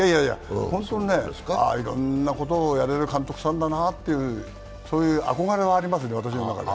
本当にいろんなことをやれる監督さんなんだなというそういう憧れはありますね、私の中で。